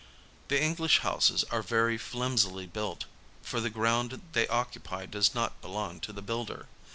The English houses are very flimsily built, for the ground they occupy does not belong to the builder.